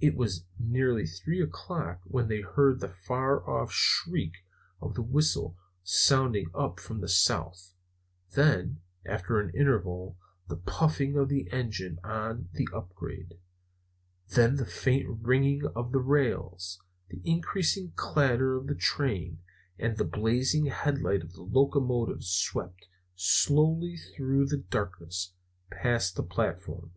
It was nearly three o'clock when they heard the far off shriek of the whistle sounding up from the south; then, after an interval, the puffing of the engine on the upgrade; then the faint ringing of the rails, the increasing clatter of the train, and the blazing headlight of the locomotive swept slowly through the darkness, past the platform.